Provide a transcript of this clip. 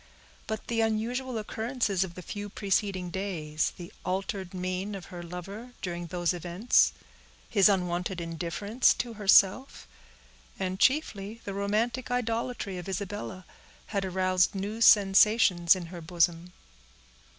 But the unusual occurrences of the few preceding days, the altered mien of her lover during those events, his unwonted indifference to herself, and chiefly the romantic idolatry of Isabella, had aroused new sensations in her bosom.